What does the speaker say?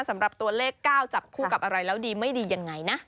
สำหรับตัวเลข๙จับคู่กับอะไรแล้วดีไม่ดียังไงนะ